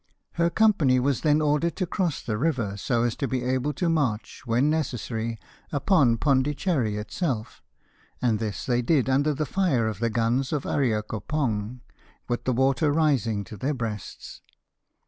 Her company was then ordered to cross the river so as to be able to march, when necessary, upon Pondicherry itself, and this they did under the fire of the guns of Areacopong, with the water rising to their breasts.